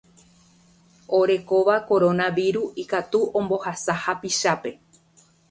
Orekóva koronavíru ikatu ombohasa hapichápe